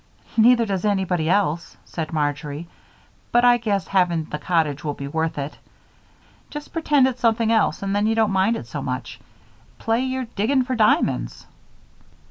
"Neither does anybody else," said Marjory, "but I guess having the cottage will be worth it. Just pretend it's something else and then you won't mind it so much. Play you're digging for diamonds."